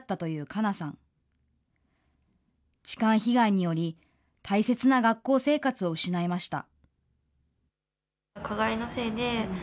痴漢被害により、大切な学校生活を失いました。